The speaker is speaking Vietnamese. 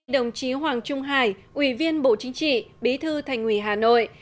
đồng chí hoàng trung hải ủy viên bộ chính trị bí thư thành ủy hà nội